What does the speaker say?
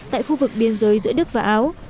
tại khu vực biên giới giữa đức và áo